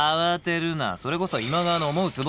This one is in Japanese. それこそ今川の思うつぼだ。